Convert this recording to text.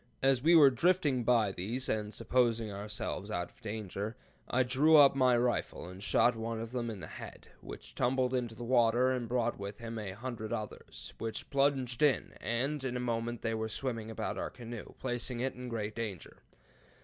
As we were drifting by these, and supposing ourselves out of danger, I drew up my rifle and shot one of them in the head, which tumbled into the water, and brought with him a hundred others, which plunged in, and in a moment were swimming about our canoe, and placing it in great danger.